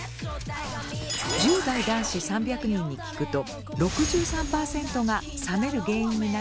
１０代男子３００人に聞くと６３％が冷める原因になると答えています。